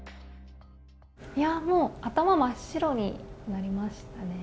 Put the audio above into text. もう頭真っ白になりましたね。